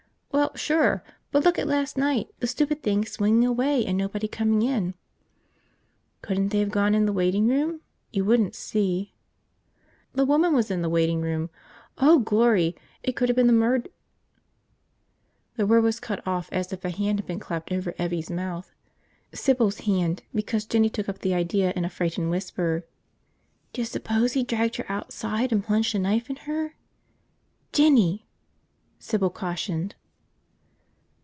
"Well, sure. But look at last night, the stupid thing swinging away and nobody coming in." "Couldn't they of gone in the waiting room? You wouldn't see." "The woman was in the waiting room – oh, glory, it could of been the murd ..." The word was cut off as if a hand had been clapped over Evvie's mouth. Sybil's hand, because Jinny took up the idea in a frightened whisper. "D'you suppose he dragged her outside and plunged a knife in her ...?" "Jinny!" Sybil cautioned.